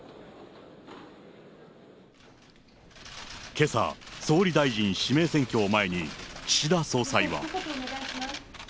けさ、総理大臣指名選挙を前に、岸田総裁は。